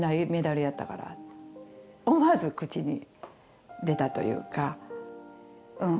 思わず口に出たというかうん。